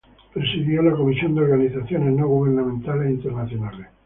Presidió la Comisión de Organizaciones No Gubernamentales Internacionales.